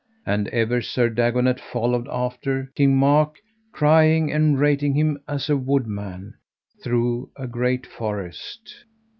And ever Sir Dagonet followed after King Mark, crying and rating him as a wood man, through a great forest.